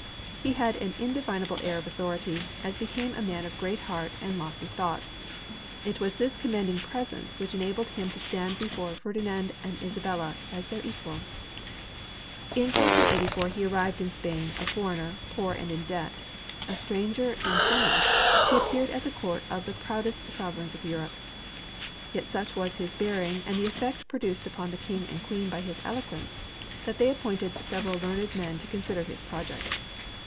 He had an indefinable air of authority, as became a man of great heart and lofty thoughts. It was thi;^ commanding presence which enabled him to stand before Ferdinand and Isabella as their equal. In 1484 he arrived in Spain a foreigner, poor and in debt. A stranger and friendless, he appeared at the court of the proudest sovereigns of Europe. Yet such was his bearing and the effect produced upon the king and queen by his eloquence that they ap pointed several learned men to consider his project.